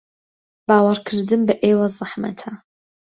باوەڕکردن بە ئێوە زەحمەتە.